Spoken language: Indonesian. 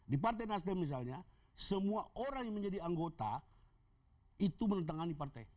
di partai nasdem misalnya semua orang yang menjadi anggota itu menentangani partai